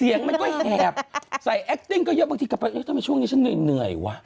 เสียงมันก็แหบใส่แอคติ้งก็เยอะบางทีกลับไปเอ๊ะทำไมช่วงนี้ฉันเหนื่อยวะ